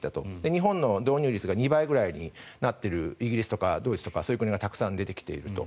日本と導入率が２倍ぐらいになっているイギリスとかドイツとかそういう国がたくさん出てきていると。